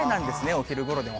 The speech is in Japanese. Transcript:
お昼ごろでも。